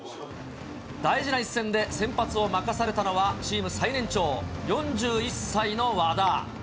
大事な一戦で、先発を任されたのは、チーム最年長、４１歳の和田。